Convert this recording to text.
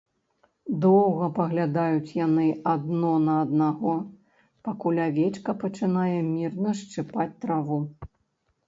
Доўга паглядаюць яны адно на аднаго, пакуль авечка пачынае мірна шчыпаць траву.